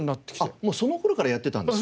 あっもうその頃からやってたんですか？